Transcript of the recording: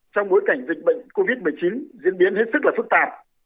trong bối cảnh dịch bệnh covid một mươi chín diễn biến hết sức là phức tạp